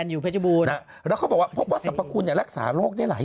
อยู่พระจบุญแล้วเขาบอกว่าพวกพักคุณเนี่ยรักษาโรคได้หลาย